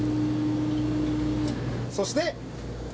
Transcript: そして。